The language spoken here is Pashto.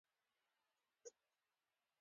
کښتۍ او موټرونه یو ځل بیا را ایستل کیږي